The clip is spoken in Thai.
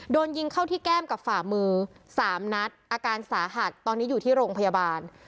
โดนยิงเข้าที่แก้มกับฝ่ามือสามนัดอาการสาหัสตอนนี้อยู่ที่โรงพยาบาล